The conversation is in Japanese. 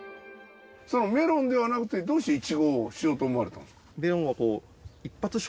メロンではなくてどうしてイチゴをしようと思われたんですか？